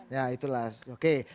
ya itulah oke